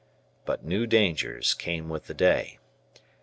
But new dangers came with the day.